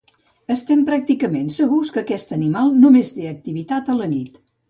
Estem pràcticament segurs que aquest animal només té activitat a la nit.